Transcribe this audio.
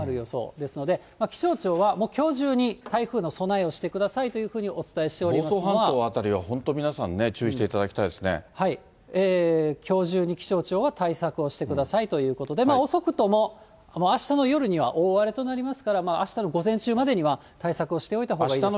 ですので、気象庁は、もうきょう中に台風の備えをしてくださいというふうにお伝えして房総半島辺りは本当、皆さんきょう中に、気象庁は対策をしてくださいということで、遅くとも、あしたの夜には大荒れとなりますから、あしたの午前中までには対策をしておいたほうがいいですね。